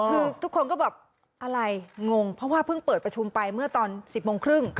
คือทุกคนก็แบบอะไรงงเพราะว่าเพิ่งเปิดประชุมไปเมื่อตอน๑๐โมงครึ่ง